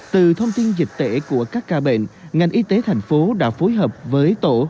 từ thông tin dịch tễ của các ca bệnh ngành y tế thành phố đã phối hợp với tổ